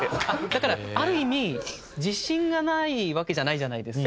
だからある意味自信がないわけじゃないじゃないですか。